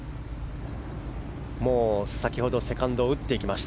もう先ほどセカンドを打っていきました。